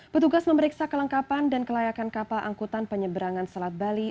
petugas memeriksa kelengkapan dan kelayakan kapal angkutan penyeberangan selat bali